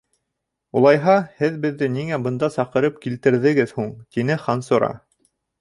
Улайһа, һеҙ беҙҙе ниңә бында саҡырып килтерҙегеҙ һуң? - тине Хансура.